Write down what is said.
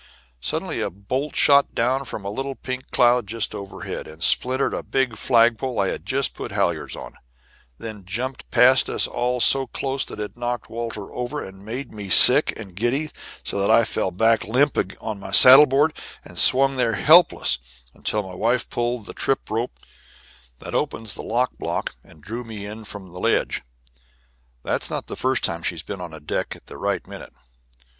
Suddenly a bolt shot down from a little pink cloud just overhead, and splintered a big flagpole I had just put halyards on, and then jumped past us all so close that it knocked Walter over, and made me sick and giddy so that I fell back limp on my saddle board, and swung there helpless until my wife pulled the trip rope that opens the lock block and drew me in from the edge. That's not the first time she's been on deck at the right minute.